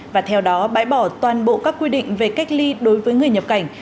và theo đó bãi bỏ toàn bộ các quy định về cách ly đối với người nhập cảnh